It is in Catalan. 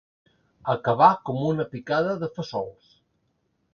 Acabar com una picada de fesols.